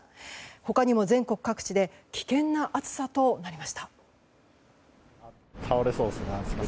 他にも、全国各地で危険な暑さとなりました。